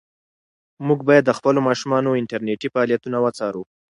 موږ باید د خپلو ماشومانو انټرنيټي فعالیتونه وڅارو.